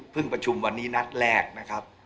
ประชุมวันนี้นัดแรกนะครับ